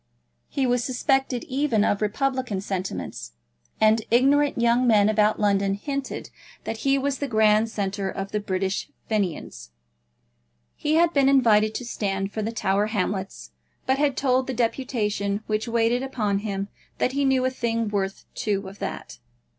He was suspected even of republican sentiments, and ignorant young men about London hinted that he was the grand centre of the British Fenians. He had been invited to stand for the Tower Hamlets, but had told the deputation which waited upon him that he knew a thing worth two of that.